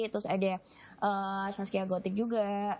terus ada saskia gotik juga